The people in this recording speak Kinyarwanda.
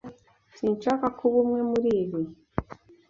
Sinshaka kuba umwe muribi.